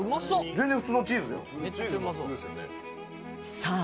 全然普通のチーズだよさあ